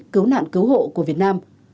cứu nạn cứu hộ của việt nam